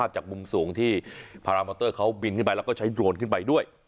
จากมุมสูงที่พารามอเตอร์เขาบินขึ้นไปแล้วก็ใช้โดรนขึ้นไปด้วย